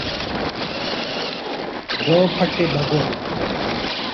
دوپٹے بھگو